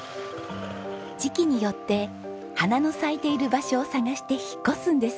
時期によって花の咲いている場所を探して引っ越すんです。